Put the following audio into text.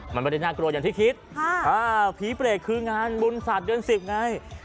มันไม่ได้น่ากลัวอย่างที่คิดผีเปรตคืองานบุญศาสตร์เดือน๑๐ไง